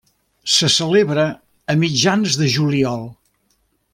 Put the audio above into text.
Se celebra a mitjans de juliol.